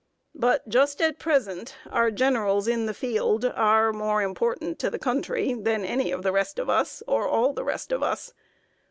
But, just at present, our generals in the field are more important to the country than any of the rest of us, or all the rest of us.